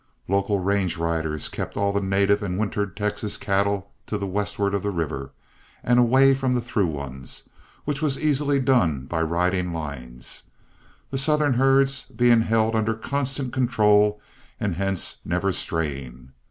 Local range riders kept all the native and wintered Texas cattle to the westward of the river and away from the through ones, which was easily done by riding lines, the Southern herds being held under constant control and hence never straying.